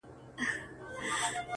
زما افغان ضمير له کاڼو جوړ گلي؛